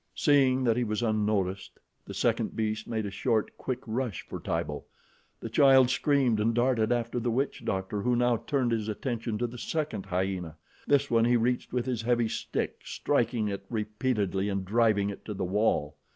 Seeing that he was unnoticed, the second beast made a short, quick rush for Tibo. The child screamed and darted after the witch doctor, who now turned his attention to the second hyena. This one he reached with his heavy stick, striking it repeatedly and driving it to the wall.